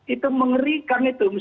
itu mengerikan itu